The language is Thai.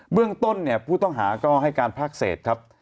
เรื่องต้นเนี่ยผู้ต้องหาก็ให้การภาคเศษครับ